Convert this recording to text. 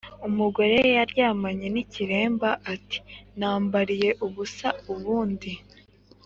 Umugore yaryamanye n’ikiremba ati nambariye ubusa ubundi.